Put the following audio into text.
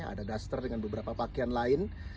ada duster dengan beberapa pakaian lain